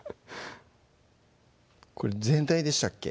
これ全体でしたっけ？